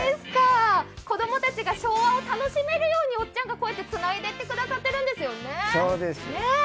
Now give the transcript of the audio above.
子供たちが昭和を楽しめるように、おっちゃんがつないでいってくださっているんですよね。